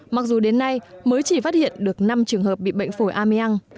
mặc dù đến nay mới chỉ phát hiện được năm trường hợp bị bệnh phổi ameang